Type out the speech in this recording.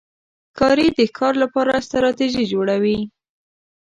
ښکاري د ښکار لپاره ستراتېژي جوړوي.